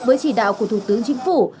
với chỉ đạo của thủ tướng chính phủ